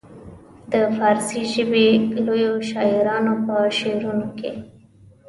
د فارسي ژبې لویو شاعرانو په شعرونو کې.